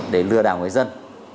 để lừa đảo người dân